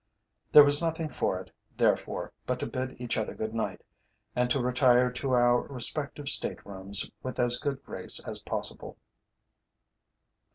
There was nothing for it, therefore, but to bid each other good night, and to retire to our respective state rooms with as good grace as possible.